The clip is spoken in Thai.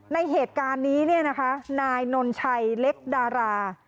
ในเหตุการณ์นี้เนี่ยนะคะนายนนชัยเล็กดารา